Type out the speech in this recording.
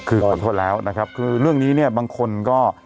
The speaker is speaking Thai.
คือขอโทษแล้วนะครับคือเรื่องนี้เนี่ยบางคนก็